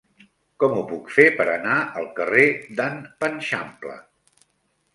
Com ho puc fer per anar al carrer d'en Panxampla?